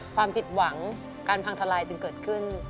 ความผิดหวังการพังทลายจึงเกิดขึ้น